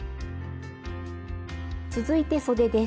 続いてそでです。